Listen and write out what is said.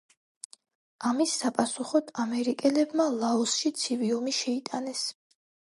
ამის საპასუხოდ, ამერიკელებმა ლაოსში ცივი ომი შეიტანეს.